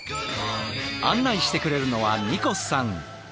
案内してくれるのはニコスさん。